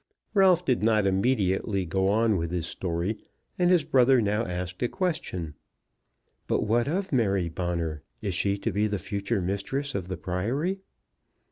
Ralph did not immediately go on with his story, and his brother now asked a question. "But what of Mary Bonner? Is she to be the future mistress of the Priory?"